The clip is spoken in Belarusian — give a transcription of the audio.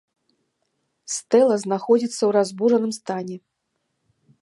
Стэла знаходзіцца ў разбураным стане.